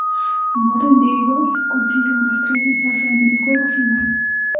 Modo Individual: Consigue una estrella y pasa el minijuego final.